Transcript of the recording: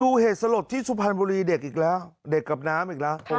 เหตุสลดที่สุพรรณบุรีเด็กอีกแล้วเด็กกับน้ำอีกแล้ว